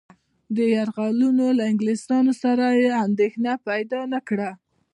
دې یرغلونو له انګلیسيانو سره اندېښنه پیدا نه کړه.